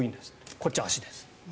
こっち、足です。